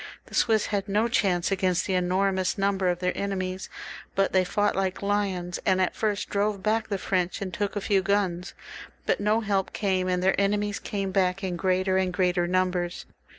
The Swiss had no chance against the enormous number of their enemies, but they fought like lions, and at first drove back the French and took a few guns. But no help came, and their enemies came back in greater and greater numbers.